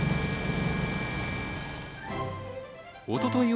おととい